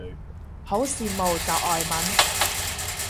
好羨慕就外文